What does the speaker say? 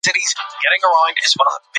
د خوړو رنګ طبيعي وساتئ.